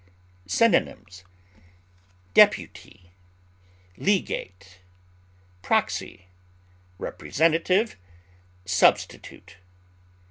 Synonyms: deputy, legate, proxy, representative, substitute.